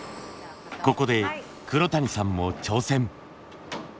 ここで黒谷さんも挑戦！